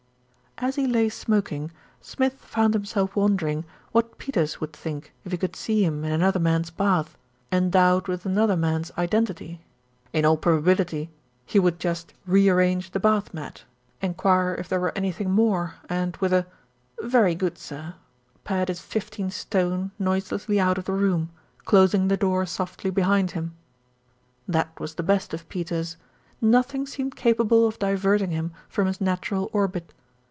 As he lay smoking, Smith found himself wondering what Peters would think if he could see him in another man's bath, endowed with another man's identity. In all probability he would just re arrange the bath mat, enquire if there were anything more, and with a "Very good, sir," pad his fifteen stone noiselessly out of the room, closing the door softly behind him. That was the best of Peters, nothing seemed capable of diverting him from his natural orbit.